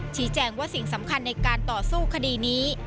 ชี้แจงว่าสิ่งสำคัญในการต่อสู้คดีนี้